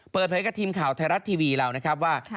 เปิดเผยกับทีมข่าวไทยรัฐทีวีเรานะครับว่า